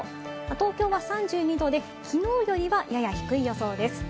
東京は３２度で、きのうよりはやや低い予想です。